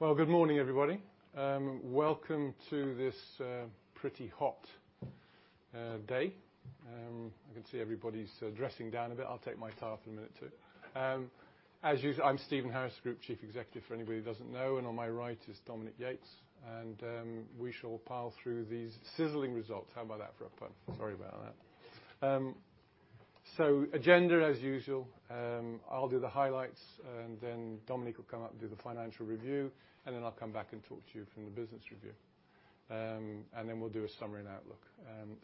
Well, good morning, everybody. Welcome to this pretty hot day. I can see everybody's dressing down a bit. I'll take my towel for a minute, too. As usual, I'm Stephen Harris, Group Chief Executive, for anybody who doesn't know, and on my right is Dominique Yates. We shall pile through these sizzling results. How about that for a pun? Sorry about that. So, agenda, as usual. I'll do the highlights, and then Dominique will come up and do the financial review, and then I'll come back and talk to you from the business review. Then we'll do a summary and outlook.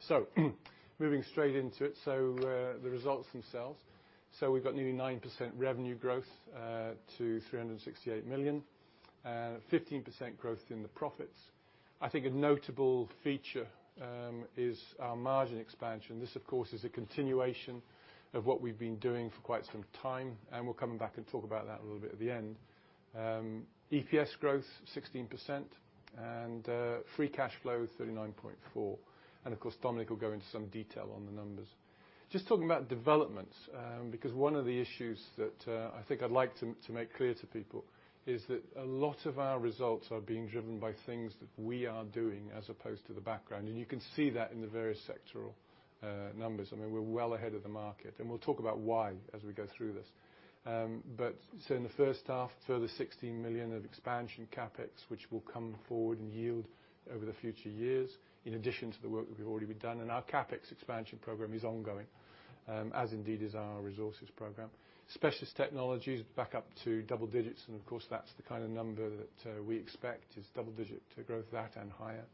So, moving straight into it. So, the results themselves. So, we've got nearly 9% revenue growth to 368 million, and 15% growth in the profits. I think a notable feature is our margin expansion. This, of course, is a continuation of what we've been doing for quite some time, and we'll come back and talk about that a little bit at the end. EPS growth, 16%, and free cash flow, 39.4 million. And of course, Dominique will go into some detail on the numbers. Just talking about developments, because one of the issues that I think I'd like to make clear to people is that a lot of our results are being driven by things that we are doing as opposed to the background. And you can see that in the various sectoral numbers. I mean, we're well ahead of the market, and we'll talk about why as we go through this. But so in the first half, further 16 million of expansion CapEx, which will come forward and yield over the future years, in addition to the work that we've already done. Our CapEx expansion program is ongoing, as indeed is our resources program. Specialist technologies, back up to double digits, and of course, that's the kind of number that, we expect, is double-digit to growth that and higher.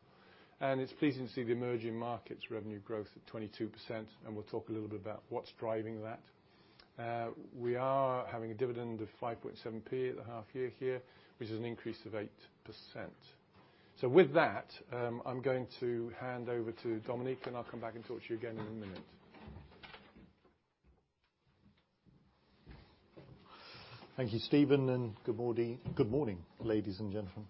It's pleasing to see the emerging markets revenue growth at 22%, and we'll talk a little bit about what's driving that. We are having a dividend of 0.057 at the half-year here, which is an increase of 8%. With that, I'm going to hand over to Dominique, and I'll come back and talk to you again in a minute. Thank you, Stephen, and good morning, good morning, ladies and gentlemen.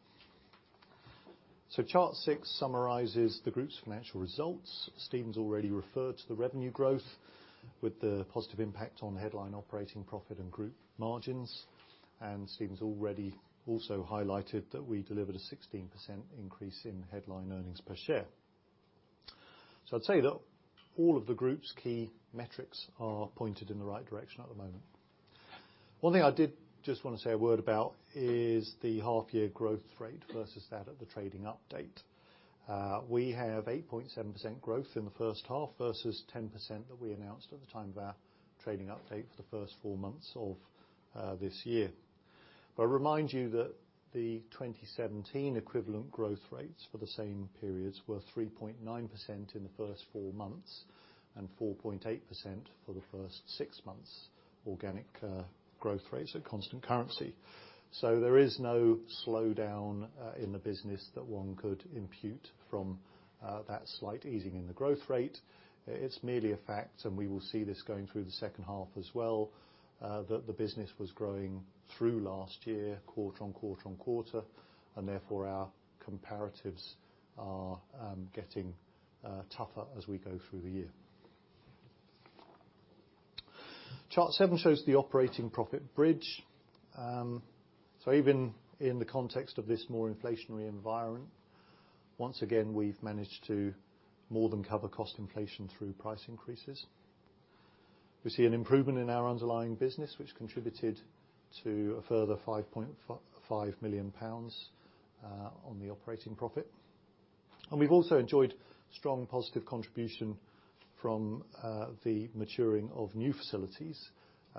So Chart 6 summarizes the group's financial results. Stephen's already referred to the revenue growth with the positive impact on headline operating profit and group margins, and Stephen's already also highlighted that we delivered a 16% increase in headline earnings per share. So I'd say that all of the group's key metrics are pointed in the right direction at the moment. One thing I did just wanna say a word about is the half-year growth rate versus that at the trading update. We have 8.7% growth in the first half versus 10% that we announced at the time of our trading update for the first four months of this year. But I remind you that the 2017 equivalent growth rates for the same periods were 3.9% in the first four months and 4.8% for the first six months, organic growth rates, so constant currency. So there is no slowdown in the business that one could impute from that slight easing in the growth rate. It's merely a fact, and we will see this going through the second half as well, that the business was growing through last year, quarter on quarter on quarter, and therefore our comparatives are getting tougher as we go through the year. Chart 7 shows the operating profit bridge. So even in the context of this more inflationary environment, once again, we've managed to more than cover cost inflation through price increases. We see an improvement in our underlying business, which contributed to a further 5.5 million pounds on the operating profit. And we've also enjoyed strong positive contribution from the maturing of new facilities,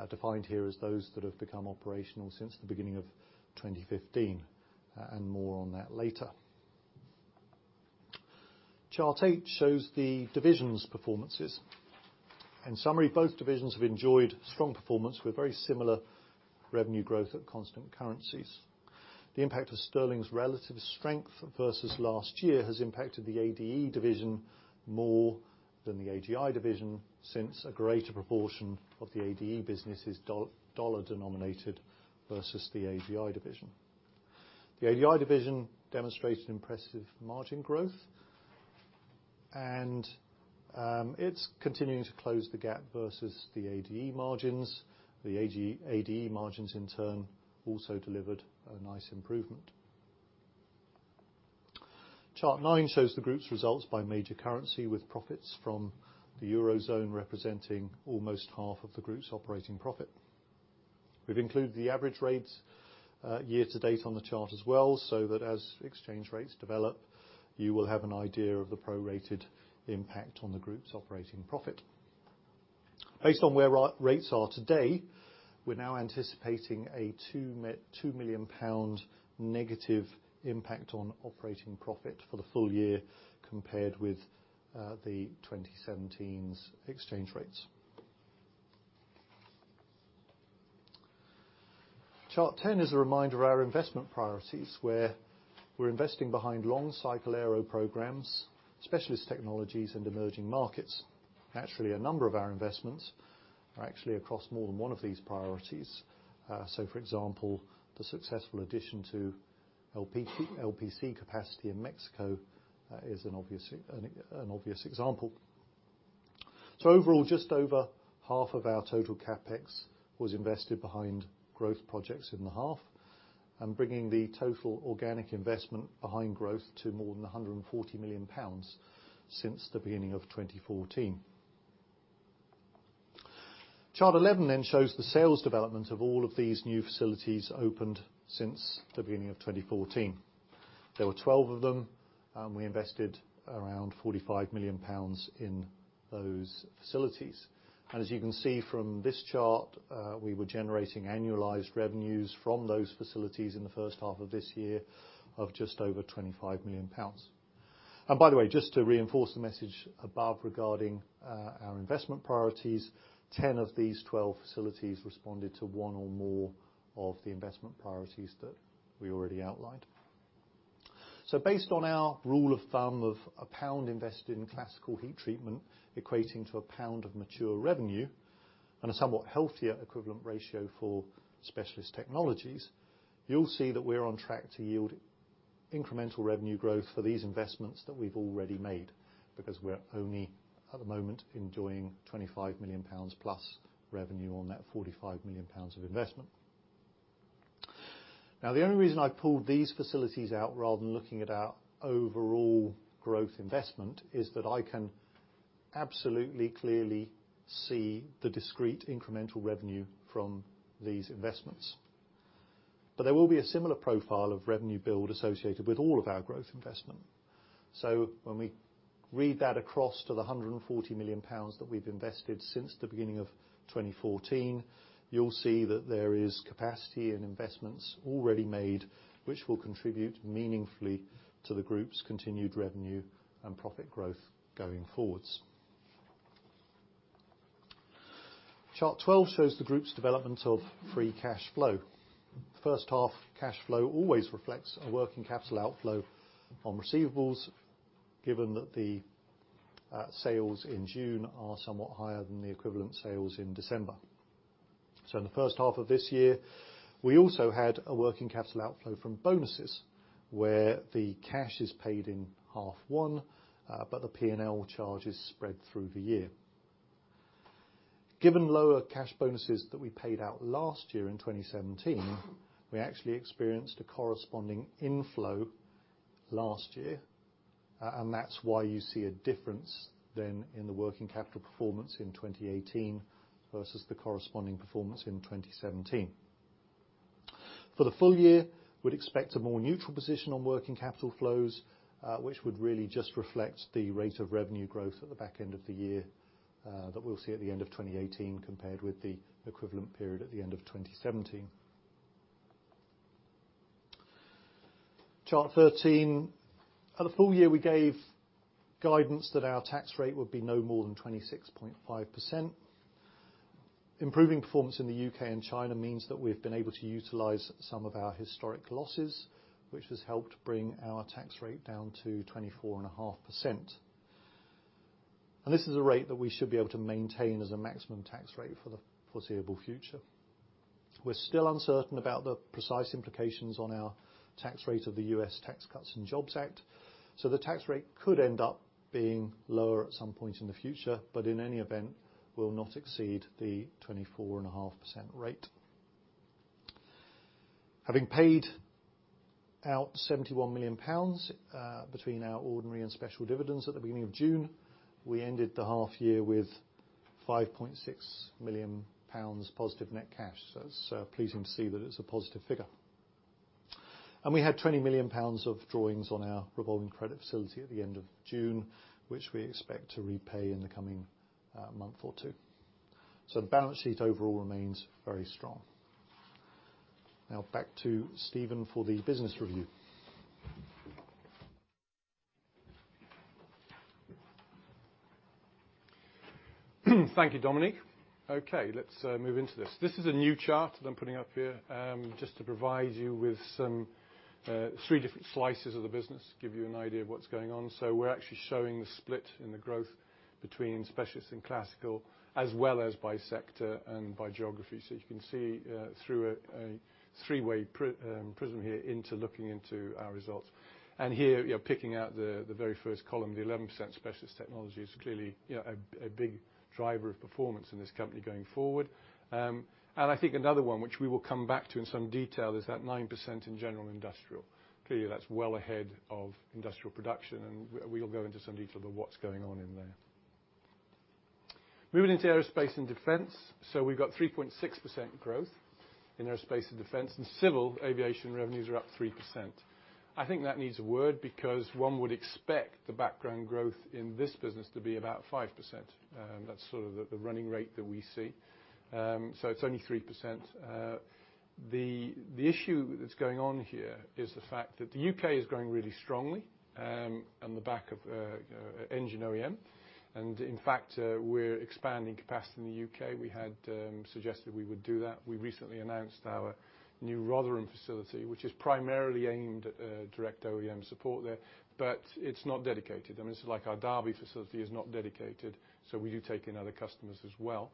defined here as those that have become operational since the beginning of 2015, and more on that later. Chart 8 shows the divisions' performances. In summary, both divisions have enjoyed strong performance with very similar revenue growth at constant currencies. The impact of Sterling's relative strength versus last year has impacted the ADE division more than the AGI division since a greater proportion of the ADE business is dollar-denominated versus the AGI division. The AGI division demonstrated impressive margin growth, and it's continuing to close the gap versus the ADE margins. The AGI-ADE margins, in turn, also delivered a nice improvement. Chart 9 shows the group's results by major currency, with profits from the Eurozone representing almost half of the group's operating profit. We've included the average rates, year to date on the chart as well, so that as exchange rates develop, you will have an idea of the prorated impact on the group's operating profit. Based on where exchange rates are today, we're now anticipating a 2 million pound negative impact on operating profit for the full year compared with the 2017 exchange rates. Chart 10 is a reminder of our investment priorities, where we're investing behind long-cycle Aero programs, specialist technologies, and emerging markets. Naturally, a number of our investments are actually across more than one of these priorities, so for example, the successful addition to LPC capacity in Mexico is an obvious example. So overall, just over half of our total CapEx was invested behind growth projects in the half, bringing the total organic investment behind growth to more than 140 million pounds since the beginning of 2014. Chart 11 then shows the sales development of all of these new facilities opened since the beginning of 2014. There were 12 of them. We invested Aeround 45 million pounds in those facilities. And as you can see from this chart, we were generating annualized revenues from those facilities in the first half of this year of just over 25 million pounds. And by the way, just to reinforce the message above regarding our investment priorities, 10 of these 12 facilities responded to one or more of the investment priorities that we already outlined. So based on our rule of thumb of GBP 1 invested in classical heat treatment equating to GBP 1 of mature revenue and a somewhat healthier equivalent ratio for specialist technologies, you'll see that we're on track to yield incremental revenue growth for these investments that we've already made because we're only, at the moment, enjoying 25 million pounds plus revenue on that 45 million pounds of investment. Now, the only reason I pulled these facilities out rather than looking at our overall growth investment is that I can absolutely, clearly see the discrete incremental revenue from these investments. But there will be a similar profile of revenue build associated with all of our growth investment. So when we read that across to the 140 million pounds that we've invested since the beginning of 2014, you'll see that there is capacity and investments already made which will contribute meaningfully to the group's continued revenue and profit growth going forwards. Chart 12 shows the group's development of free cash flow. First half cash flow always reflects a working capital outflow on receivables, given that the sales in June are somewhat higher than the equivalent sales in December. So in the first half of this year, we also had a working capital outflow from bonuses, where the cash is paid in half one, but the P&L charge is spread through the year. Given lower cash bonuses that we paid out last year in 2017, we actually experienced a corresponding inflow last year, and that's why you see a difference then in the working capital performance in 2018 versus the corresponding performance in 2017. For the full year, we'd expect a more neutral position on working capital flows, which would really just reflect the rate of revenue growth at the back end of the year, that we'll see at the end of 2018 compared with the equivalent period at the end of 2017. Chart 13. At the full year, we gave guidance that our tax rate would be no more than 26.5%. Improving performance in the UK and China means that we've been able to utilize some of our historic losses, which has helped bring our tax rate down to 24.5%. This is a rate that we should be able to maintain as a maximum tax rate for the foreseeable future. We're still uncertain about the precise implications on our tax rate of the US Tax Cuts and Jobs Act, so the tax rate could end up being lower at some point in the future, but in any event, will not exceed the 24.5% rate. Having paid out 71 million pounds between our ordinary and special dividends at the beginning of June, we ended the half year with 5.6 million pounds positive net cash. It's pleasing to see that it's a positive figure. We had 20 million pounds of drawings on our revolving credit facility at the end of June, which we expect to repay in the coming month or two. The balance sheet overall remains very strong. Now, back to Stephen for the business review. Thank you, Dominique. Okay, let's move into this. This is a new chart that I'm putting up here, just to provide you with some three different slices of the business, give you an idea of what's going on. So we're actually showing the split in the growth between specialist and classical, as well as by sector and by geography. So you can see, through a three-way prism here into looking into our results. And here, you know, picking out the very first column, the 11% specialist technology is clearly, you know, a big driver of performance in this company going forward. And I think another one, which we will come back to in some detail, is that 9% in general industrial. Clearly, that's well ahead of industrial production, and we'll go into some detail about what's going on in there. Moving into aerospace and defense. So we've got 3.6% growth in aerospace and defense, and civil aviation revenues are up 3%. I think that needs a word because one would expect the background growth in this business to be about 5%. That's sort of the running rate that we see. So it's only 3%. The issue that's going on here is the fact that the U.K. is growing really strongly, on the back of engine OEM. And in fact, we're expanding capacity in the U.K. We had suggested we would do that. We recently announced our new Rotherham facility, which is primarily aimed at direct OEM support there, but it's not dedicated. I mean, it's like our Derby facility is not dedicated, so we do take in other customers as well.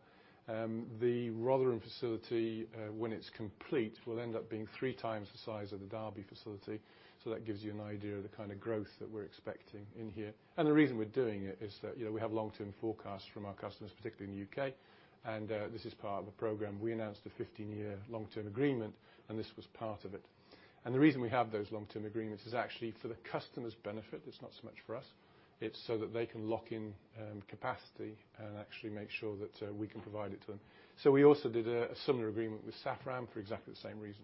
The Rotherham facility, when it's complete, will end up being three times the size of the Derby facility, so that gives you an idea of the kind of growth that we're expecting in here. The reason we're doing it is that, you know, we have long-term forecasts from our customers, particularly in the UK, and this is part of a program. We announced a 15-year long-term agreement, and this was part of it. The reason we have those long-term agreements is actually for the customer's benefit. It's not so much for us. It's so that they can lock in capacity and actually make sure that we can provide it to them. So we also did a similar agreement with Safran for exactly the same reason.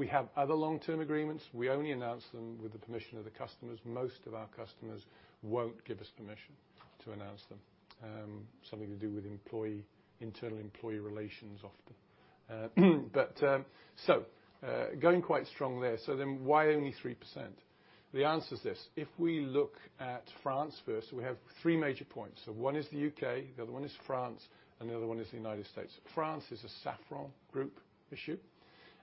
We have other long-term agreements. We only announce them with the permission of the customers. Most of our customers won't give us permission to announce them. Something to do with employee internal employee relations often. Going quite strong there, so then why only 3%? The answer's this. If we look at France first, we have three major points. So one is the UK, the other one is France, and the other one is the United States. France is a Safran Group issue.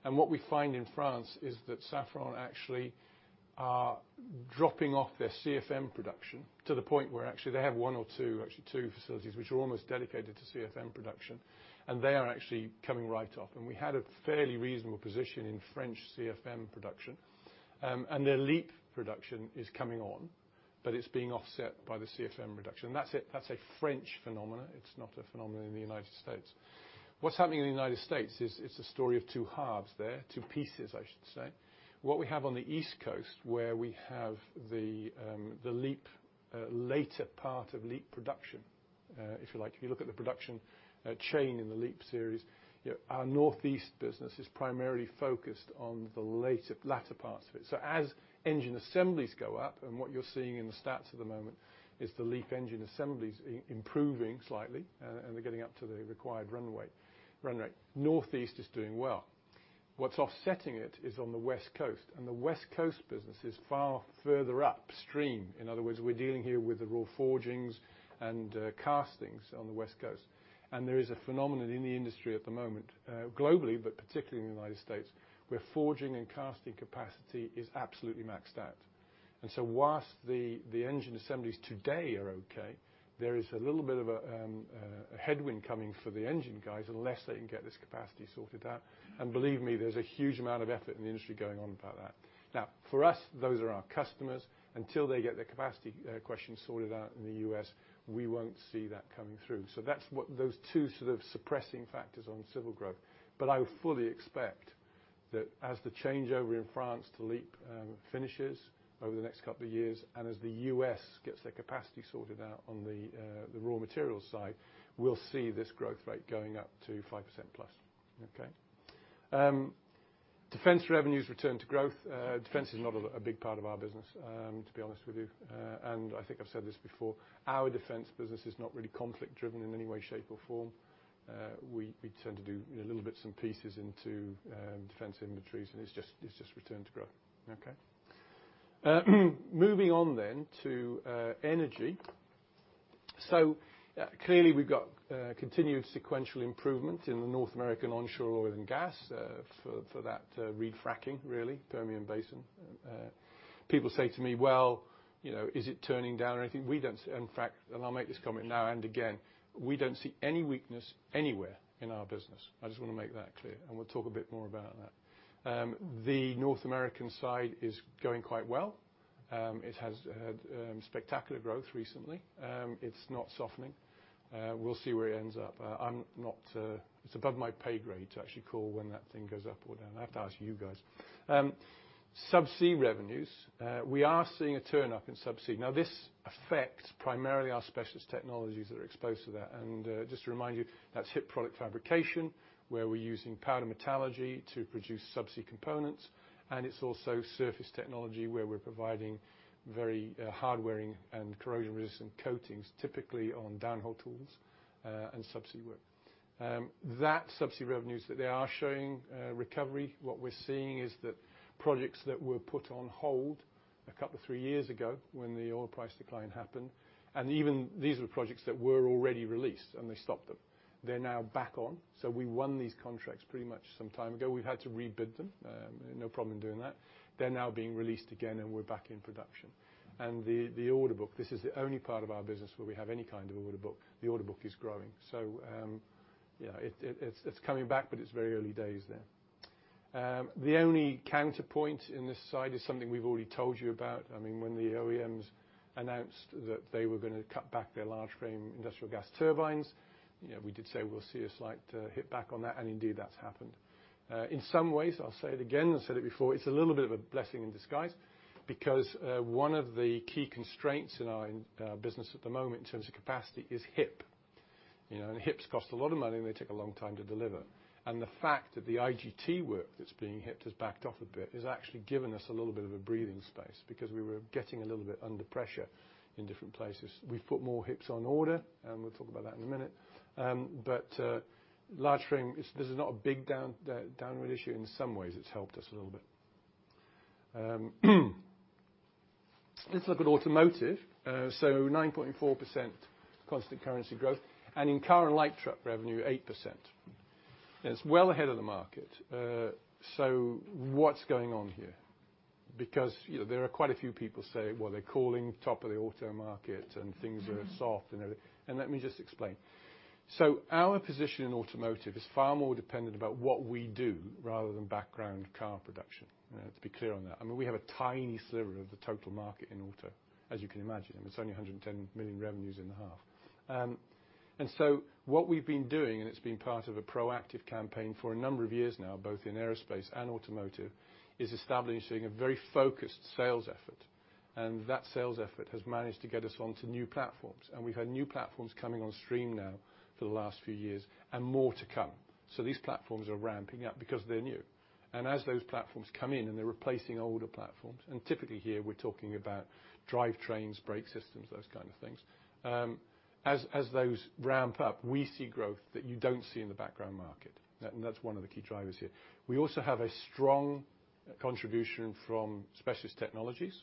And what we find in France is that Safran actually are dropping off their CFM production to the point where actually they have one or two, actually two facilities, which are almost dedicated to CFM production, and they are actually coming right off. And we had a fairly reasonable position in French CFM production. And their LEAP production is coming on, but it's being offset by the CFM reduction. That's it. That's a French phenomenon. It's not a phenomenon in the United States. What's happening in the United States is it's a story of two halves there, two pieces, I should say. What we have on the East Coast, where we have the, the LEAP, later part of LEAP production, if you like-if you look at the production, chain in the LEAP series-you know, our Northeast business is primarily focused on the later latter parts of it. So as engine assemblies go up, and what you're seeing in the stats at the moment is the LEAP engine assemblies improving slightly, and, and they're getting up to the required runway run rate. Northeast is doing well. What's offsetting it is on the West Coast, and the West Coast business is far further upstream. In other words, we're dealing here with the raw forgings and, castings on the West Coast. There is a phenomenon in the industry at the moment, globally, but particularly in the United States, where forging and casting capacity is absolutely maxed out. So while the engine assemblies today are okay, there is a little bit of a headwind coming for the engine guys unless they can get this capacity sorted out. Believe me, there's a huge amount of effort in the industry going on about that. Now, for us, those are our customers. Until they get their capacity question sorted out in the U.S., we won't see that coming through. So that's what those two sort of suppressing factors on civil growth. But I fully expect that as the changeover in France to LEAP finishes over the next couple of years, and as the U.S. gets their capacity sorted out on the raw materials side, we'll see this growth rate going up to 5%+. Okay? Defense revenues return to growth. Defense is not a big part of our business, to be honest with you. And I think I've said this before. Our defense business is not really conflict-driven in any way, shape, or form. We tend to do, you know, little bits and pieces into defense inventories, and it's just return to growth. Okay? Moving on then to energy. So, clearly, we've got continued sequential improvement in the North American onshore oil and gas, for that re-fracking, really, Permian Basin. People say to me, "Well, you know, is it turning down or anything?" We don't see, and frankly, and I'll make this comment now and again, we don't see any weakness anywhere in our business. I just wanna make that clear. And we'll talk a bit more about that. The North American side is going quite well. It has had spectacular growth recently. It's not softening. We'll see where it ends up. I'm not, it's above my pay grade to actually call when that thing goes up or down. I have to ask you guys. Subsea revenues. We are seeing a turn up in Subsea. Now, this affects primarily our specialist technologies that are exposed to that. And, just to remind you, that's HIP product fabrication, where we're using powder metallurgy to produce Subsea components. And it's also surface technology, where we're providing very hard-wearing and corrosion-resistant coatings, typically on downhole tools, and subsea work. That subsea revenues that they are showing, recovery, what we're seeing is that projects that were put on hold a couple of three years ago when the oil price decline happened, and even these were projects that were already released, and they stopped them, they're now back on. So we won these contracts pretty much some time ago. We've had to re-bid them. No problem in doing that. They're now being released again, and we're back in production. And the, the order book, this is the only part of our business where we have any kind of order book, the order book is growing. So, you know, it, it, it's, it's coming back, but it's very early days there. The only counterpoint in this side is something we've already told you about. I mean, when the OEMs announced that they were gonna cut back their large-frame industrial gas turbines, you know, we did say we'll see a slight hit back on that, and indeed, that's happened. In some ways, I'll say it again. I've said it before. It's a little bit of a blessing in disguise because one of the key constraints in our business at the moment in terms of capacity is HIP. You know, and HIPs cost a lot of money, and they take a long time to deliver. And the fact that the IGT work that's being HIPed has backed off a bit has actually given us a little bit of a breathing space because we were getting a little bit under pressure in different places. We've put more HIPs on order, and we'll talk about that in a minute. But large-frame, this is not a big downward issue. In some ways, it's helped us a little bit. Let's look at automotive. So 9.4% constant currency growth. And in car and light truck revenue, 8%. It's well ahead of the market. So what's going on here? Because, you know, there are quite a few people say, "Well, they're calling top of the auto market, and things are soft," and everything. And let me just explain. So our position in automotive is far more dependent about what we do rather than background car production. You know, to be clear on that. I mean, we have a tiny sliver of the total market in auto, as you can imagine. I mean, it's only 110 million revenues in the half. And so what we've been doing, and it's been part of a proactive campaign for a number of years now, both in aerospace and automotive, is establishing a very focused sales effort. And that sales effort has managed to get us onto new platforms. And we've had new platforms coming on stream now for the last few years and more to come. So these platforms are ramping up because they're new. And as those platforms come in, and they're replacing older platforms - and typically here, we're talking about drivetrains, brake systems, those kind of things - as those ramp up, we see growth that you don't see in the background market. That and that's one of the key drivers here. We also have a strong contribution from specialist technologies,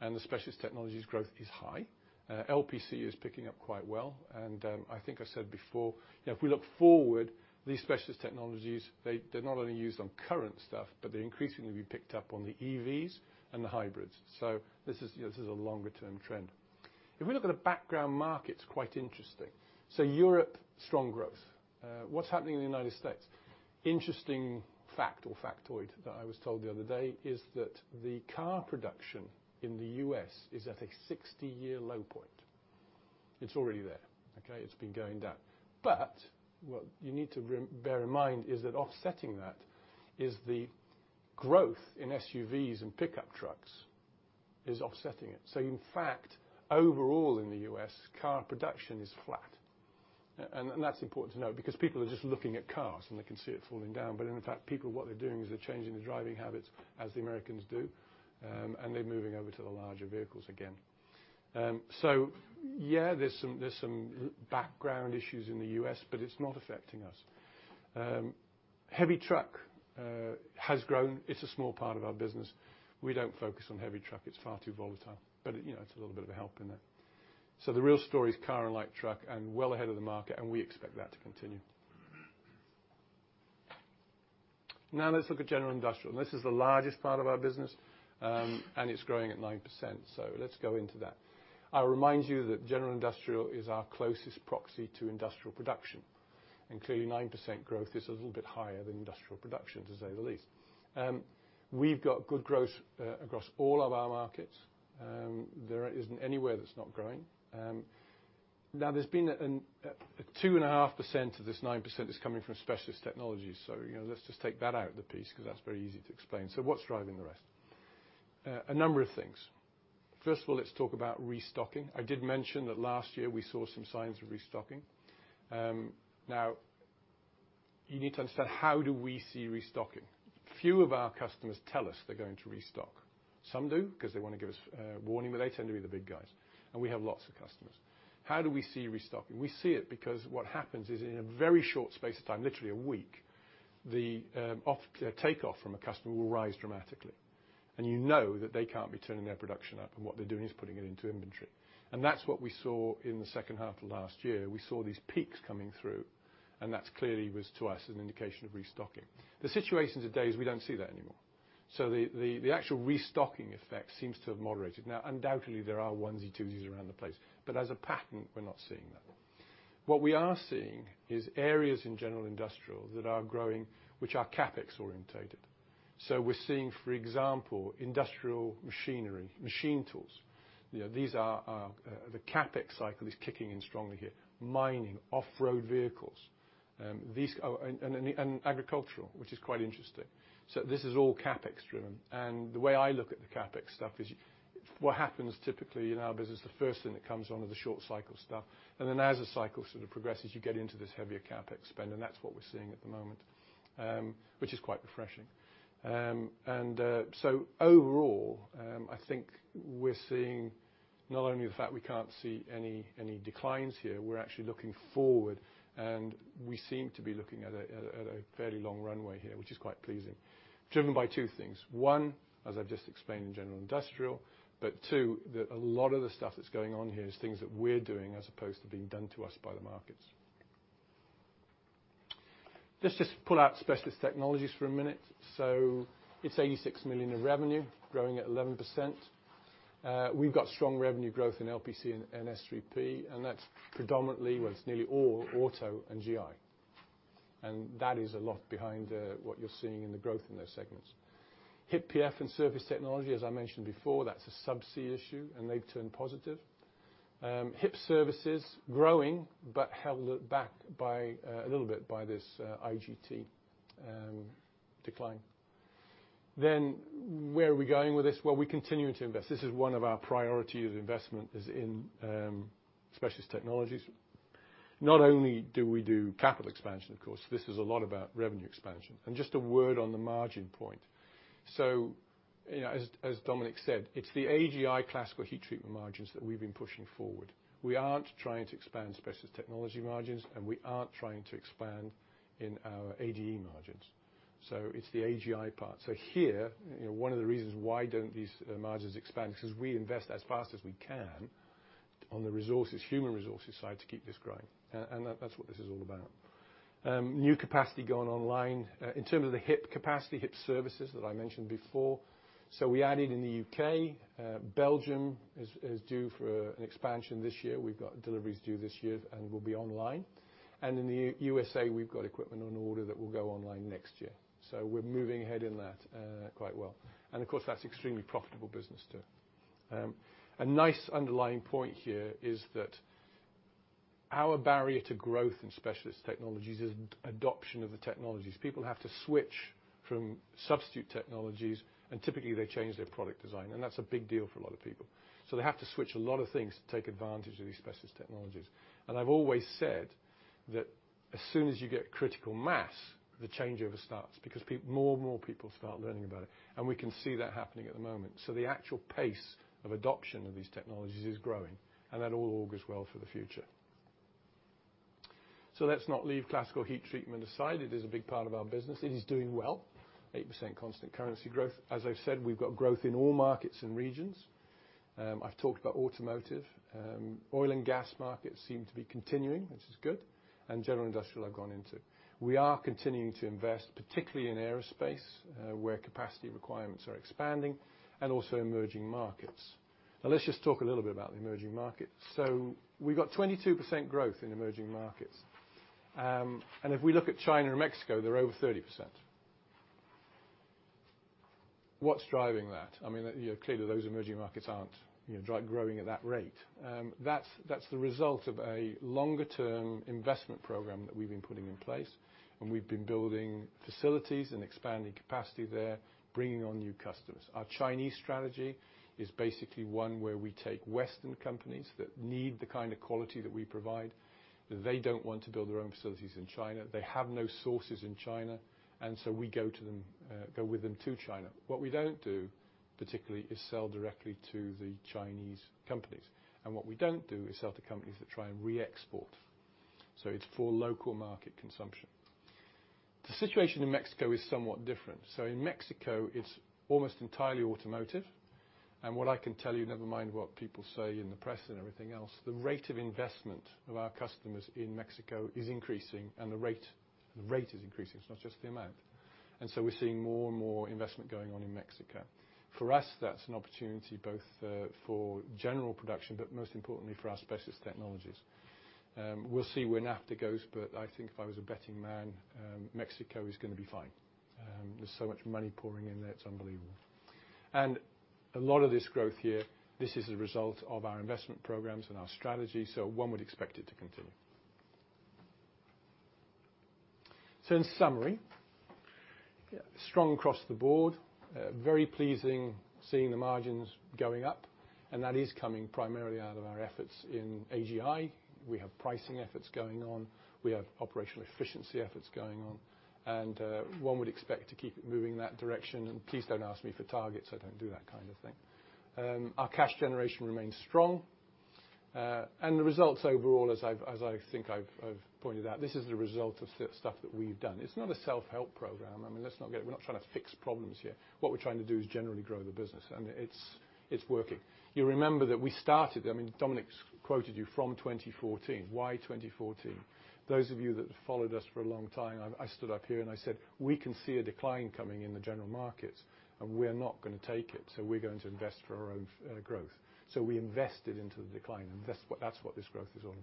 and the specialist technologies growth is high. LPC is picking up quite well. And I think I said before, you know, if we look forward, these specialist technologies, they're not only used on current stuff, but they're increasingly being picked up on the EVs and the hybrids. So this is, you know, this is a longer-term trend. If we look at the background market, it's quite interesting. So Europe, strong growth. What's happening in the United States? Interesting fact or factoid that I was told the other day is that the car production in the U.S. is at a 60-year low point. It's already there. Okay? It's been going down. But what you need to bear in mind is that offsetting that is the growth in SUVs and pickup trucks is offsetting it. So in fact, overall in the U.S., car production is flat. And that's important to note because people are just looking at cars, and they can see it falling down. But in fact, people, what they're doing is they're changing their driving habits as the Americans do, and they're moving over to the larger vehicles again. So yeah, there's some background issues in the US, but it's not affecting us. Heavy truck has grown. It's a small part of our business. We don't focus on heavy truck. It's far too volatile. But it, you know, it's a little bit of a help in that. So the real story's car and light truck and well ahead of the market, and we expect that to continue. Now, let's look at general industrial. This is the largest part of our business, and it's growing at 9%. So let's go into that. I'll remind you that general industrial is our closest proxy to industrial production. Clearly, 9% growth is a little bit higher than industrial production, to say the least. We've got good growth across all of our markets. There isn't anywhere that's not growing. Now, there's been a 2.5% of this 9% that's coming from specialist technologies. So, you know, let's just take that out of the piece 'cause that's very easy to explain. So what's driving the rest? A number of things. First of all, let's talk about restocking. I did mention that last year, we saw some signs of restocking. Now, you need to understand how do we see restocking? Few of our customers tell us they're going to restock. Some do 'cause they wanna give us warning, but they tend to be the big guys. And we have lots of customers. How do we see restocking? We see it because what happens is in a very short space of time, literally a week, the offtake from a customer will rise dramatically. You know that they can't be turning their production up, and what they're doing is putting it into inventory. That's what we saw in the second half of last year. We saw these peaks coming through, and that clearly was, to us, an indication of restocking. The situation today is we don't see that anymore. So the actual restocking effect seems to have moderated. Now, undoubtedly, there are onesies and twosies Aeround the place. But as a pattern, we're not seeing that. What we are seeing is areas in general industrial that are growing which are CapEx oriented. So we're seeing, for example, industrial machinery, machine tools. You know, these are the CapEx cycle is kicking in strongly here. Mining, off-road vehicles, and agricultural, which is quite interesting. So this is all CapEx-driven. The way I look at the CapEx stuff is what happens typically in our business, the first thing that comes on is the short-cycle stuff. And then as the cycle sort of progresses, you get into this heavier CapEx spend, and that's what we're seeing at the moment, which is quite refreshing. So overall, I think we're seeing not only the fact we can't see any, any declines here. We're actually looking forward, and we seem to be looking at a, at a, at a fairly long runway here, which is quite pleasing, driven by two things. One, as I've just explained in general industrial, but two, that a lot of the stuff that's going on here is things that we're doing as opposed to being done to us by the markets. Let's just pull out specialist technologies for a minute. So it's 86 million of revenue, growing at 11%. We've got strong revenue growth in LPC and S3P, and that's predominantly well, it's nearly all auto and GI. And that is a lot behind, what you're seeing in the growth in those segments. HIP PF and surface technology, as I mentioned before, that's a subsea issue, and they've turned positive. HIP services, growing but held back by, a little bit by this, IGT, decline. Then where are we going with this? Well, we're continuing to invest. This is one of our priorities of investment is in, specialist technologies. Not only do we do capital expansion, of course. This is a lot about revenue expansion. And just a word on the margin point. So, you know, as, as Dominique said, it's the AGI classical heat treatment margins that we've been pushing forward. We aren't trying to expand specialist technology margins, and we aren't trying to expand in our ADE margins. So it's the AGI part. So here, you know, one of the reasons why don't these margins expand is 'cause we invest as fast as we can on the resources, human resources side, to keep this growing. And, and that, that's what this is all about. New capacity gone online in terms of the HIP capacity, HIP services that I mentioned before. So we added in the UK. Belgium is due for an expansion this year. We've got deliveries due this year, and we'll be online. And in the USA, we've got equipment on order that will go online next year. So we're moving ahead in that quite well. And of course, that's extremely profitable business too. A nice underlying point here is that our barrier to growth in specialist technologies is adoption of the technologies. People have to switch from substitute technologies, and typically, they change their product design. And that's a big deal for a lot of people. So they have to switch a lot of things to take advantage of these specialist technologies. And I've always said that as soon as you get critical mass, the changeover starts because people more and more people start learning about it. And we can see that happening at the moment. So the actual pace of adoption of these technologies is growing, and that all augurs well for the future. So let's not leave classical heat treatment aside. It is a big part of our business. It is doing well, 8% constant currency growth. As I've said, we've got growth in all markets and regions. I've talked about automotive. Oil and gas markets seem to be continuing, which is good. General industrial, I've gone into. We are continuing to invest, particularly in aerospace, where capacity requirements are expanding and also emerging markets. Now, let's just talk a little bit about the emerging markets. So we've got 22% growth in emerging markets. And if we look at China and Mexico, they're over 30%. What's driving that? I mean, you know, clearly, those emerging markets aren't, you know, growing at that rate. That's the result of a longer-term investment program that we've been putting in place. And we've been building facilities and expanding capacity there, bringing on new customers. Our Chinese strategy is basically one where we take Western companies that need the kind of quality that we provide. They don't want to build their own facilities in China. They have no sources in China, and so we go to them, go with them to China. What we don't do, particularly, is sell directly to the Chinese companies. And what we don't do is sell to companies that try and re-export. So it's for local market consumption. The situation in Mexico is somewhat different. So in Mexico, it's almost entirely automotive. And what I can tell you, never mind what people say in the press and everything else, the rate of investment of our customers in Mexico is increasing, and the rate is increasing. It's not just the amount. And so we're seeing more and more investment going on in Mexico. For us, that's an opportunity both for general production but most importantly for our specialist technologies. We'll see where NAFTA goes, but I think if I was a betting man, Mexico is gonna be fine. There's so much money pouring in there. It's unbelievable. And a lot of this growth here, this is a result of our investment programs and our strategy. So one would expect it to continue. So in summary, yeah, strong across the board. Very pleasing seeing the margins going up. And that is coming primarily out of our efforts in AGI. We have pricing efforts going on. We have operational efficiency efforts going on. And one would expect to keep it moving in that direction. And please don't ask me for targets. I don't do that kind of thing. Our cash generation remains strong. And the results overall, as I think I've pointed out, this is the result of the stuff that we've done. It's not a self-help program. I mean, let's not get it. We're not trying to fix problems here. What we're trying to do is generally grow the business. And it's, it's working. You remember that we started I mean, Dominique's quoted you from 2014. Why 2014? Those of you that followed us for a long time, I stood up here, and I said, "We can see a decline coming in the general markets, and we're not gonna take it. So we're going to invest for our own, growth." So we invested into the decline, and that's what this growth is all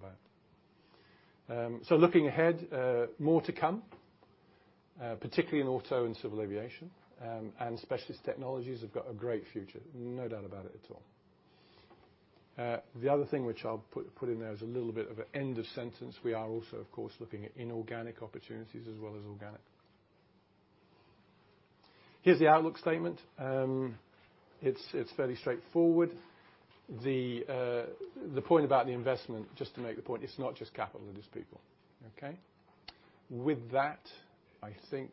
about. So looking ahead, more to come, particularly in auto and civil aviation. And specialist technologies have got a great future, no doubt about it at all. The other thing which I'll put in there as a little bit of an end of sentence, we are also, of course, looking at inorganic opportunities as well as organic. Here's the outlook statement. It's fairly straightforward. The point about the investment, just to make the point, it's not just capital. It is people. Okay? With that, I think,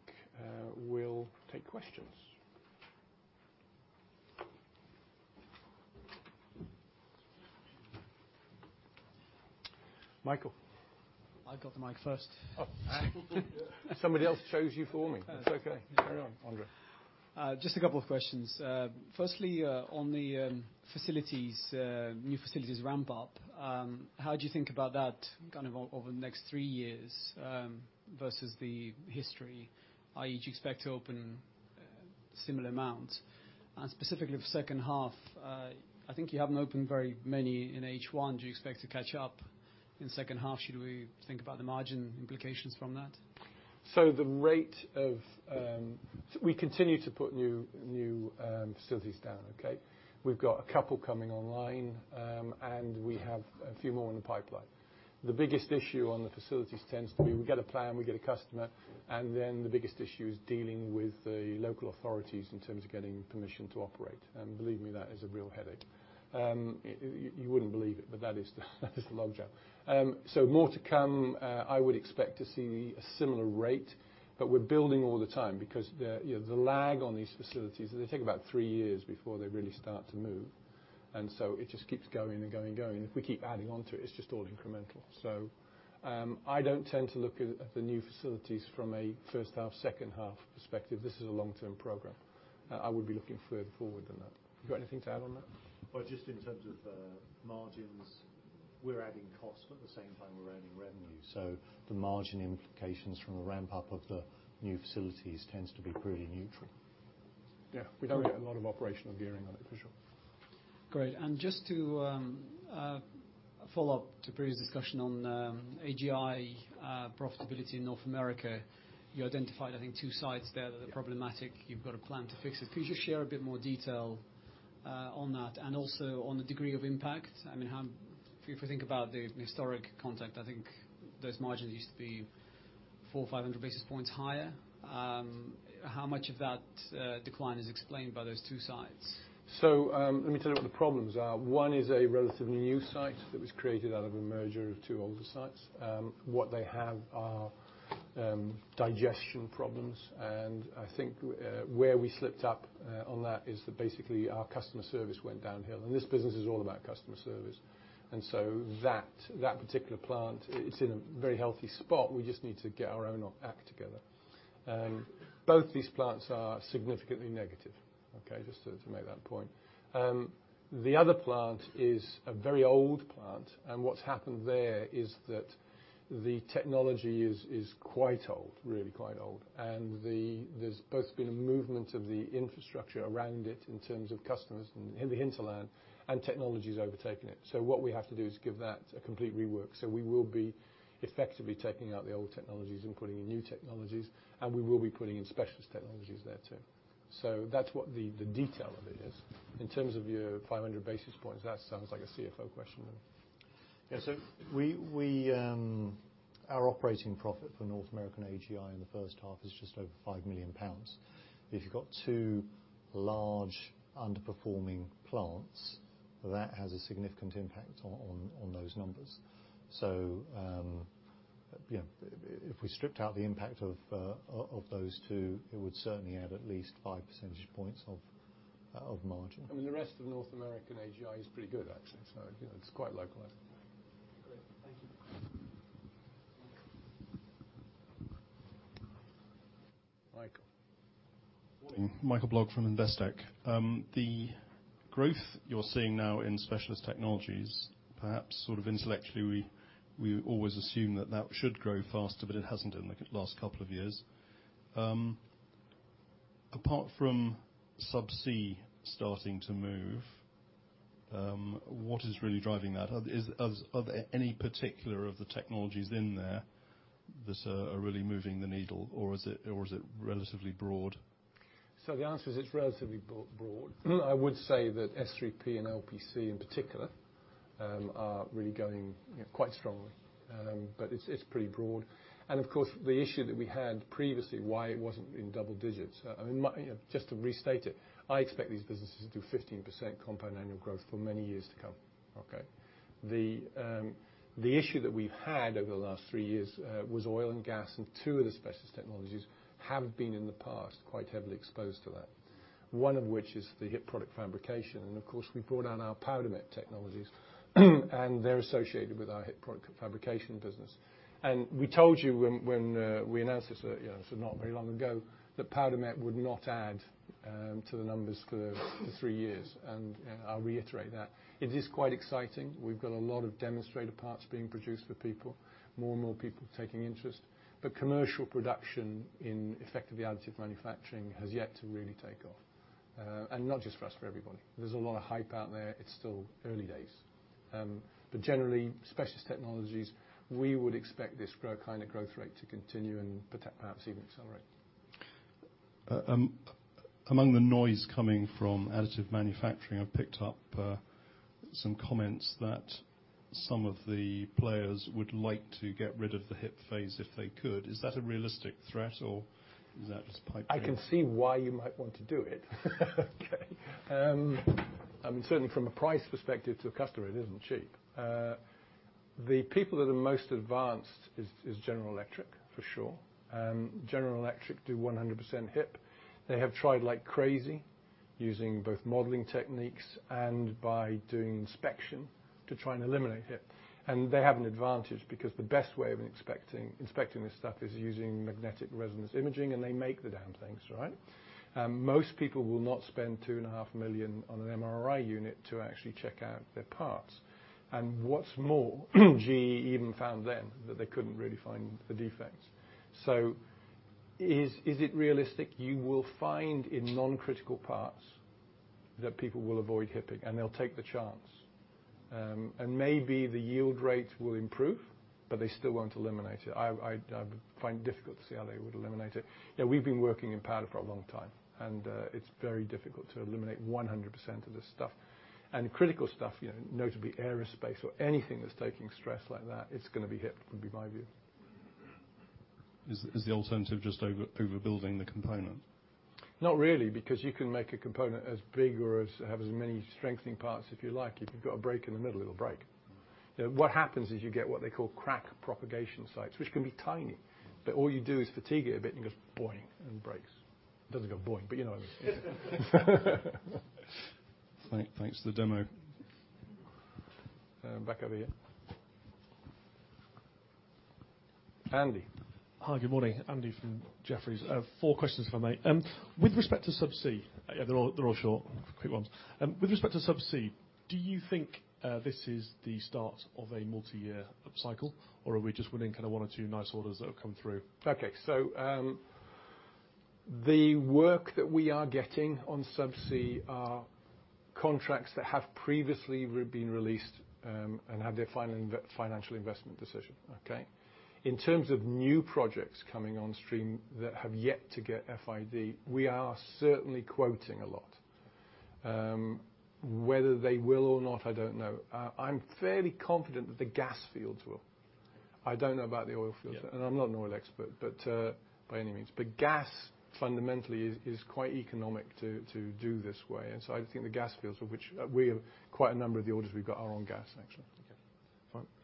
we'll take questions. Michael? I got the mic first. Oh, all right. Somebody else chose you for me. That's okay. Carry on, Andrea. Just a couple of questions. Firstly, on the facilities, new facilities ramp-up, how do you think about that kind of over the next three years, versus the history, i.e., do you expect to open similar amounts? And specifically for second half, I think you haven't opened very many in H1. Do you expect to catch up in second half? Should we think about the margin implications from that? So, we continue to put new facilities down. Okay? We've got a couple coming online, and we have a few more in the pipeline. The biggest issue on the facilities tends to be we get a plant. We get a customer. And then the biggest issue is dealing with the local authorities in terms of getting permission to operate. And believe me, that is a real headache. You wouldn't believe it, but that is the long job. So more to come. I would expect to see a similar rate, but we're building all the time because the, you know, the lag on these facilities, they take about three years before they really start to move. And so it just keeps going and going and going. And if we keep adding onto it, it's just all incremental. So, I don't tend to look at the new facilities from a first half, second half perspective. This is a long-term program. I would be looking further forward than that. You got anything to add on that? Well, just in terms of margins, we're adding costs at the same time we're adding revenue. So the margin implications from the ramp-up of the new facilities tends to be pretty neutral. Yeah. We don't get a lot of operational gearing on it, for sure. Great. And just to follow up to the previous discussion on AGI profitability in North America, you identified, I think, two sites there that are problematic. You've got a plan to fix it. Could you just share a bit more detail on that and also on the degree of impact? I mean, how, if we think about the historic context, I think those margins used to be 4,500 basis points higher. How much of that decline is explained by those two sites? So, let me tell you what the problems are. One is a relatively new site that was created out of a merger of two older sites. What they have are digestion problems. And I think where we slipped up on that is that basically our customer service went downhill. And this business is all about customer service. And so that particular plant, it's in a very healthy spot. We just need to get our own act together. Both these plants are significantly negative, okay, just to make that point. The other plant is a very old plant, and what's happened there is that the technology is quite old, really quite old. And there's been a movement of the infrastructure Aeround it in terms of customers and the hinterland, and technology's overtaken it. So what we have to do is give that a complete rework. So we will be effectively taking out the old technologies and putting in new technologies, and we will be putting in specialist technologies there too. So that's what the detail of it is. In terms of your 500 basis points, that sounds like a CFO question to me. Yeah. So we our operating profit for North American AGI in the first half is just over 5 million pounds. If you've got two large, underperforming plants, that has a significant impact on those numbers. So, you know, if we stripped out the impact of those two, it would certainly add at least 5 percentage points of margin. I mean, the rest of North American AGI is pretty good, actually. So, you know, it's quite localized. Great. Thank you. Michael. Michael Blogg from Investec. The growth you're seeing now in specialist technologies, perhaps sort of intellectually, we always assume that that should grow faster, but it hasn't in the last couple of years. Apart from subsea starting to move, what is really driving that? Are there any particular of the technologies in there that are really moving the needle, or is it relatively broad? So the answer is it's relatively broad. I would say that S3P and LPC in particular are really going, you know, quite strongly, but it's pretty broad. And of course, the issue that we had previously, why it wasn't in double digits. I mean, you know, just to restate it, I expect these businesses to do 15% compound annual growth for many years to come. Okay? The issue that we've had over the last three years was oil and gas. And two of the specialist technologies have been in the past quite heavily exposed to that, one of which is the HIP product fabrication. And of course, we brought out our PowderMet technologies, and they're associated with our HIP product fabrication business. We told you when we announced this, you know, so not very long ago, that Powdermet would not add to the numbers for the three years. And, you know, I'll reiterate that. It is quite exciting. We've got a lot of demonstrator parts being produced for people, more and more people taking interest. But commercial production in effectively additive manufacturing has yet to really take off, and not just for us, for everybody. There's a lot of hype out there. It's still early days. But generally, specialist technologies, we would expect this growth kind of growth rate to continue and perhaps even accelerate. Among the noise coming from additive manufacturing, I've picked up some comments that some of the players would like to get rid of the HIP phase if they could. Is that a realistic threat, or is that just pipe dream? I can see why you might want to do it. Okay? I mean, certainly from a price perspective to a customer, it isn't cheap. The people that are most advanced is General Electric, for sure. General Electric do 100% HIP. They have tried like crazy using both modeling techniques and by doing inspection to try and eliminate HIP. And they have an advantage because the best way of inspecting this stuff is using magnetic resonance imaging, and they make the damn things, right? Most people will not spend $2.5 million on an MRI unit to actually check out their parts. And what's more, GE even found then that they couldn't really find the defects. So is it realistic you will find in non-critical parts that people will avoid HIPping, and they'll take the chance? and maybe the yield rate will improve, but they still won't eliminate it. I find it difficult to see how they would eliminate it. Yeah. We've been working in powder for a long time, and it's very difficult to eliminate 100% of this stuff. And critical stuff, you know, notably aerospace or anything that's taking stress like that, it's gonna be HIPped, would be my view. Is the alternative just overbuilding the component? Not really because you can make a component as big or as have as many strengthening parts if you like. If you've got a break in the middle, it'll break. You know, what happens is you get what they call crack propagation sites, which can be tiny, but all you do is fatigue it a bit, and it goes boing and breaks. It doesn't go boing, but you know what I mean. Thanks for the demo. back over here. Andy. Hi. Good morning. Andy from Jefferies. Four questions, if I may. With respect to Subsea, yeah. They're all short. Quick ones. With respect to Subsea, do you think this is the start of a multiyear cycle, or are we just winning kinda one or two nice orders that have come through? Okay. So, the work that we are getting on Subsea are contracts that have previously been released, and had their final investment decision. Okay? In terms of new projects coming on stream that have yet to get FID, we are certainly quoting a lot. Whether they will or not, I don't know. I'm fairly confident that the gas fields will. I don't know about the oil fields. Okay. I'm not an oil expert, but by any means. But gas, fundamentally, is quite economic to do this way. And so I think the gas fields, of which we have quite a number of the orders we've got are on gas, actually. Okay.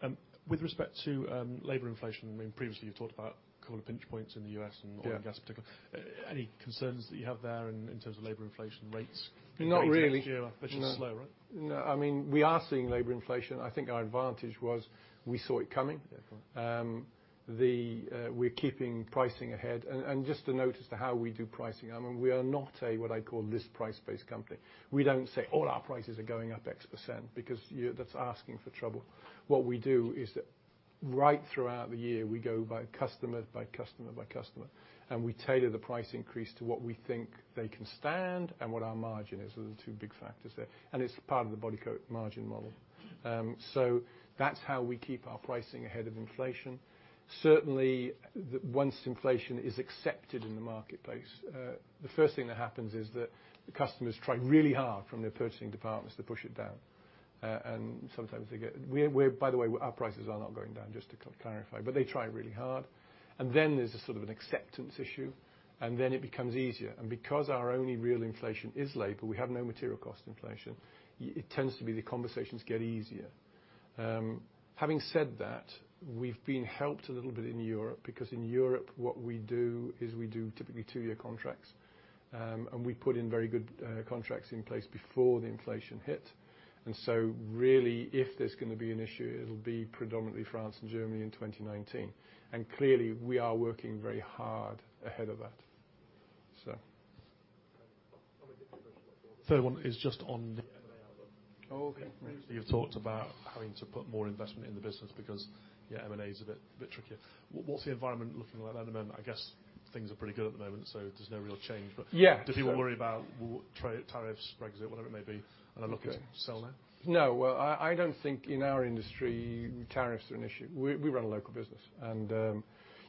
All right. With respect to labor inflation, I mean, previously, you've talked about a couple of pinch points in the U.S. and oil and gas particularly. Yeah. Any concerns that you have there in terms of labor inflation, rates? Not really. This year. They're just slow, right? No. No. I mean, we are seeing labor inflation. I think our advantage was we saw it coming. Yeah. Correct. We're keeping pricing ahead. And just a note as to how we do pricing, I mean, we are not a what I call list price-based company. We don't say, "All our prices are going up X%," because, you know, that's asking for trouble. What we do is that right throughout the year, we go by customer, by customer, by customer, and we tailor the price increase to what we think they can stand and what our margin is, are the two big factors there. And it's part of the Bodycote margin model. So that's how we keep our pricing ahead of inflation. Certainly, then once inflation is accepted in the marketplace, the first thing that happens is that customers try really hard from their purchasing departments to push it down. Sometimes they get, by the way, our prices are not going down, just to clarify, but they try really hard. And then there's a sort of an acceptance issue, and then it becomes easier. And because our only real inflation is labor, we have no material cost inflation, it tends to be the conversations get easier. Having said that, we've been helped a little bit in Europe because in Europe, what we do is we do typically two-year contracts. We put in very good contracts in place before the inflation hit. And so really, if there's gonna be an issue, it'll be predominantly France and Germany in 2019. And clearly, we are working very hard ahead of that, so. Great. On the differential, what's the order? Third one is just on. The M&A outlook. Oh, okay. You've talked about having to put more investment in the business because, yeah, M&A's a bit trickier. What's the environment looking like then? I mean, I guess things are pretty good at the moment, so there's no real change, but. Yeah. Do people worry about tariffs, Brexit, whatever it may be? And I look at sell now? No. Well, I don't think in our industry, tariffs are an issue. We run a local business. And,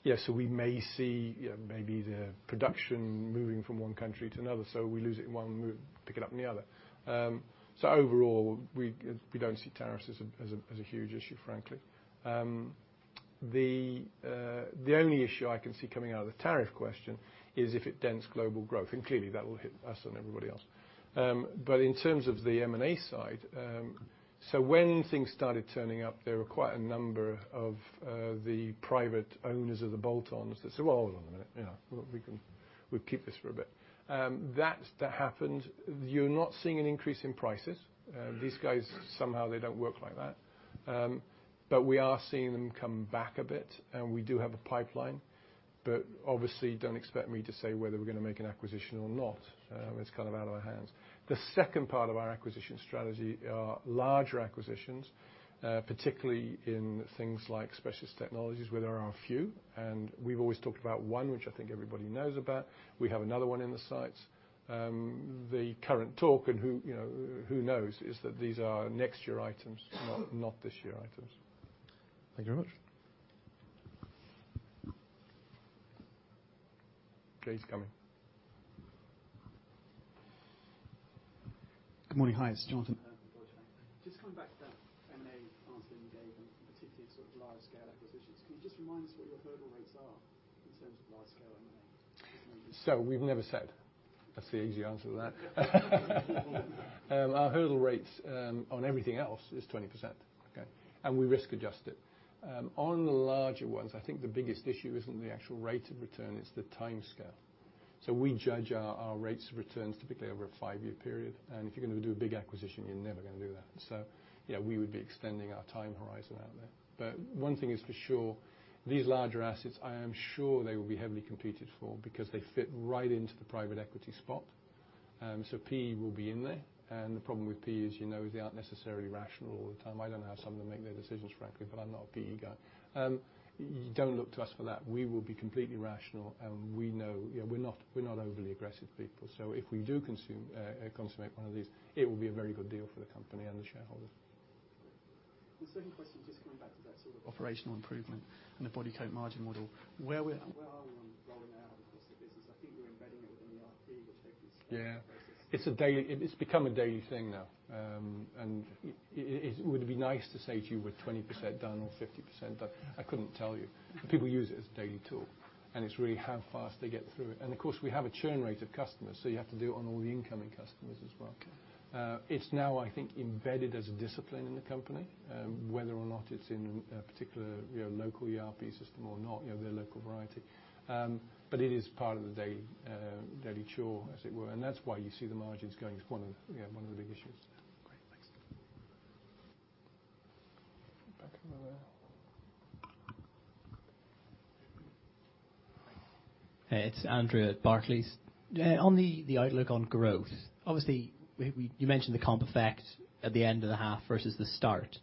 yeah. So we may see, you know, maybe the production moving from one country to another, so we lose it in one move, pick it up in the other. So overall, we don't see tariffs as a huge issue, frankly. The only issue I can see coming out of the tariff question is if it dents global growth. And clearly, that will hit us and everybody else. But in terms of the M&A side, so when things started turning up, there were quite a number of the private owners of the bolt-ons that said, "Well, hold on a minute. You know, we can, we'll keep this for a bit." That happened. You're not seeing an increase in prices. These guys, somehow, they don't work like that. But we are seeing them come back a bit, and we do have a pipeline. But obviously, don't expect me to say whether we're gonna make an acquisition or not. It's kind of out of our hands. The second part of our acquisition strategy are larger acquisitions, particularly in things like specialist technologies, where there are few. And we've always talked about one, which I think everybody knows about. We have another one in the sights. The current talk and who, you know, who knows is that these are next-year items, not, not this year items. Thank you very much. Gates coming. Good morning. Hi. It's Jonathan. Good morning, Frank. Just coming back to that M&A answer that you gave, and particularly sort of large-scale acquisitions, can you just remind us what your hurdle rates are in terms of large-scale M&A? So we've never said. That's the easy answer to that. Our hurdle rates on everything else is 20%. Okay? And we risk-adjust it. On the larger ones, I think the biggest issue isn't the actual rate of return. It's the time scale. So we judge our, our rates of returns typically over a five-year period. And if you're gonna do a big acquisition, you're never gonna do that. So, you know, we would be extending our time horizon out there. But one thing is for sure, these larger assets, I am sure they will be heavily competed for because they fit right into the private equity spot. So PE will be in there. And the problem with PE is, you know, they aren't necessarily rational all the time. I don't know how some of them make their decisions, frankly, but I'm not a PE guy. You don't look to us for that. We will be completely rational, and we know you know, we're not overly aggressive people. So if we do consummate one of these, it will be a very good deal for the company and the shareholder. The second question, just coming back to that sort of operational improvement and the Bodycote margin model, where we. Where are we on rolling out across the business? I think you're embedding it within the RP, which hopefully is part of the process. Yeah. It's become a daily thing now. It would be nice to say to you, "We're 20% done or 50% done." I couldn't tell you. People use it as a daily tool, and it's really how fast they get through it. And of course, we have a churn rate of customers, so you have to do it on all the incoming customers as well. Okay. It's now, I think, embedded as a discipline in the company, whether or not it's in a particular, you know, local ERP system or not, you know, their local variety. But it is part of the daily, daily chore, as it were. And that's why you see the margins going is one of the yeah, one of the big issues. Great. Thanks. Back over there. Hey. It's Andrew at Barclays. On the outlook on growth, obviously, you mentioned the comp effect at the end of the half versus the start.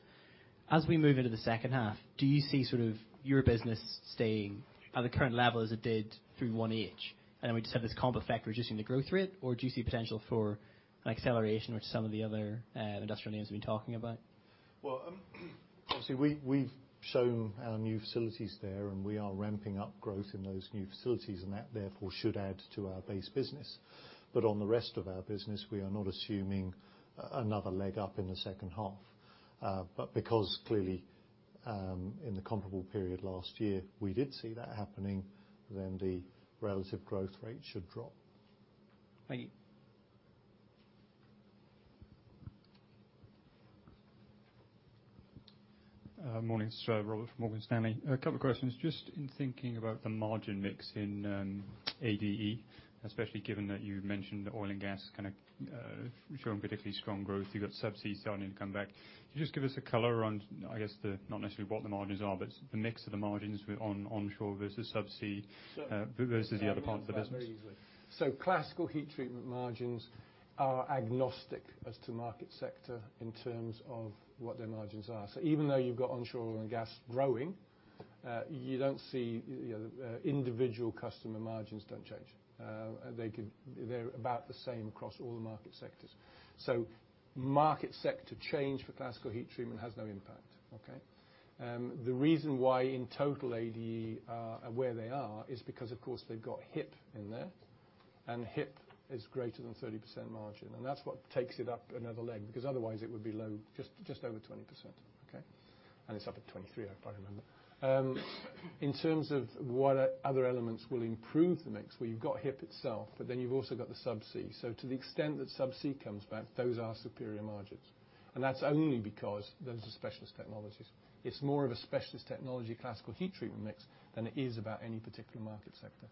As we move into the second half, do you see sort of your business staying at the current level as it did through 1H, and then we just have this comp effect reducing the growth rate, or do you see potential for an acceleration with some of the other industrial names we've been talking about? Well, obviously, we've shown our new facilities there, and we are ramping up growth in those new facilities, and that, therefore, should add to our base business. But on the rest of our business, we are not assuming another leg up in the second half, but because clearly, in the comparable period last year, we did see that happening, then the relative growth rate should drop. Thank you. Morning. It's Robert from Morgan Stanley. A couple of questions. Just in thinking about the margin mix in ADE, especially given that you mentioned oil and gas kinda showing particularly strong growth, you've got subsea starting to come back. Could you just give us a color on, I guess, the not necessarily what the margins are, but the mix of the margins with onshore versus subsea. So. versus the other parts of the business? Very easily. So classical heat treatment margins are agnostic as to market sector in terms of what their margins are. So even though you've got onshore oil and gas growing, you don't see you know, the individual customer margins don't change. They're about the same across all the market sectors. So market sector change for classical heat treatment has no impact. Okay? The reason why in total, ADE are where they are is because, of course, they've got HIP in there, and HIP is greater than 30% margin. And that's what takes it up another leg because otherwise, it would be low, just over 20%. Okay? And it's up at 23%, if I remember. In terms of what other elements will improve the mix, well, you've got HIP itself, but then you've also got the subsea. So to the extent that Subsea comes back, those are superior margins. And that's only because those are specialist technologies. It's more of a specialist technology classical heat treatment mix than it is about any particular market sector.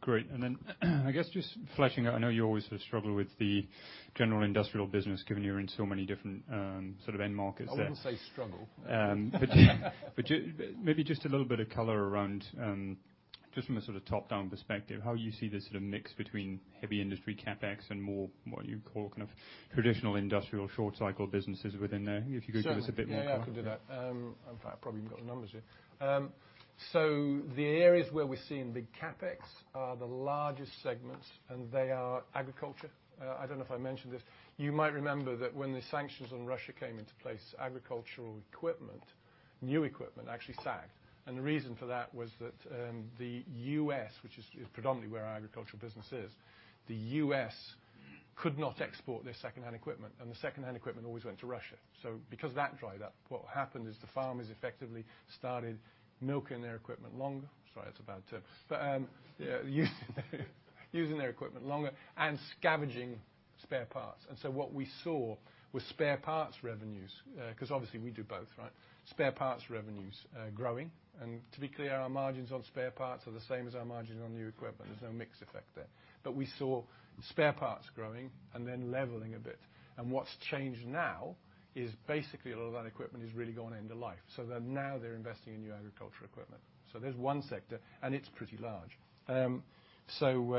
Great. And then I guess just fleshing out, I know you always sort of struggle with the general industrial business given you're in so many different, sort of end markets there. I wouldn't say struggle. Maybe just a little bit of color Aeround, just from a sort of top-down perspective, how you see this sort of mix between heavy industry CapEx and more, what you call, kind of traditional industrial short-cycle businesses within there, if you could give us a bit more color? Yeah. Yeah. I can do that. In fact, I probably haven't got the numbers yet. So the areas where we're seeing big CapEx are the largest segments, and they are agriculture. I don't know if I mentioned this. You might remember that when the sanctions on Russia came into place, agricultural equipment, new equipment, actually sagged. And the reason for that was that, the U.S., which is, is predominantly where our agricultural business is, the U.S. could not export their second-hand equipment, and the second-hand equipment always went to Russia. So because that dried up, what happened is the farmers effectively started milking their equipment longer sorry, that's a bad term. But, yeah, using their using their equipment longer and scavenging spare parts. And so what we saw was spare parts revenues, 'cause obviously, we do both, right? Spare parts revenues, growing. And to be clear, our margins on spare parts are the same as our margins on new equipment. There's no mix effect there. But we saw spare parts growing and then leveling a bit. And what's changed now is basically a lot of that equipment has really gone end of life. So they're now investing in new agricultural equipment. So there's one sector, and it's pretty large. So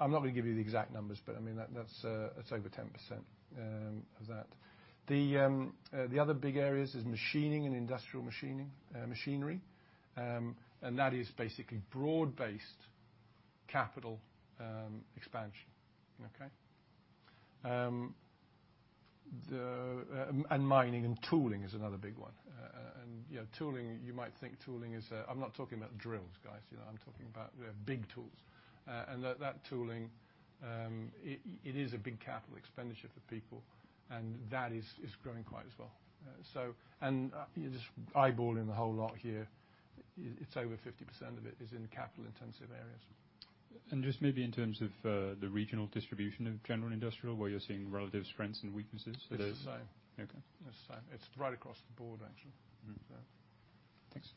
I'm not gonna give you the exact numbers, but I mean, that's it's over 10% of that. The other big areas is machining and industrial machining, machinery. And that is basically broad-based capital expansion. Okay? And mining and tooling is another big one. And you know, tooling, you might think tooling is I'm not talking about drills, guys. You know, I'm talking about, you know, big tools. That tooling, it is a big capital expenditure for people, and that is growing quite as well. So, you know, just eyeballing the whole lot here, it's over 50% of it is in capital-intensive areas. And just maybe in terms of the regional distribution of general industrial, where you're seeing relative strengths and weaknesses, are there? It's the same. Okay. It's the same. It's right across the board, actually. Mm-hmm. So. Thanks.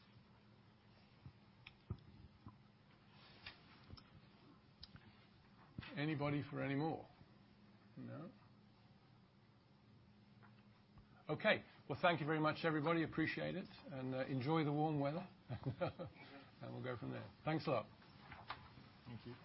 Anybody for any more? No? Okay. Well, thank you very much, everybody. Appreciate it. And, enjoy the warm weather. And we'll go from there. Thanks a lot. Thank you.